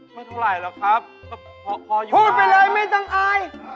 ไม่เท่าไหร่หรอกครับพออยู่พูดไปเลยไม่ต้องอาย